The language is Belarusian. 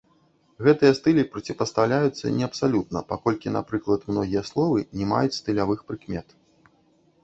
Гэтыя стылі проціпастаўляюцца не абсалютна, паколькі, напрыклад, многія словы не маюць стылявых прыкмет.